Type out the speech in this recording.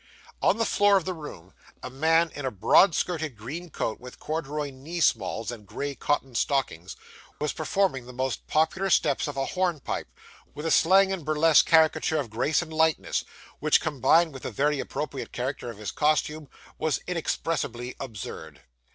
On the floor of the room, a man in a broad skirted green coat, with corduroy knee smalls and gray cotton stockings, was performing the most popular steps of a hornpipe, with a slang and burlesque caricature of grace and lightness, which, combined with the very appropriate character of his costume, was inexpressibly absurd.